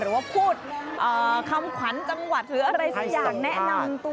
ว่าพูดคำขวัญจังหวัดหรืออะไรสักอย่างแนะนำตัว